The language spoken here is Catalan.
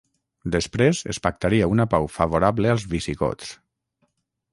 Després es pactaria una pau favorable als visigots.